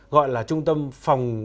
gọi là trung tâm phòng